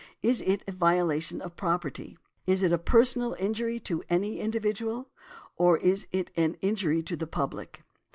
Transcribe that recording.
Is it a violation of property? |158| Is it a personal injury to any individual? Or is it an injury to the public?